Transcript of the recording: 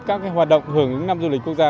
các hoạt động hưởng ứng năm du lịch quốc gia